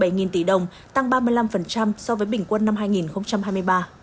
hai mươi ba bảy nghìn tỷ đồng tăng ba mươi năm so với bình quân năm hai nghìn hai mươi ba